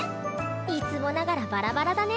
いつもながらバラバラだね。